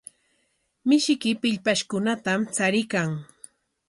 Mishiyki pillpashkunatam chariykan.